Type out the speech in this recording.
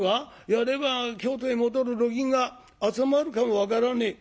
やれば京都へ戻る路銀が集まるかも分からねえ」。